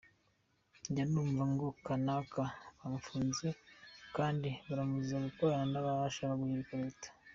Njya numva ngo kanaka bamufunze kandi baramuziza gukorana n’abashaka guhirika Leta.